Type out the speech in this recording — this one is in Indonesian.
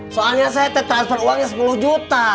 soalnya saya tertransfer uangnya sepuluh juta